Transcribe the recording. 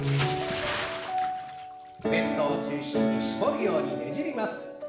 ウエストを中心に絞るようにねじります。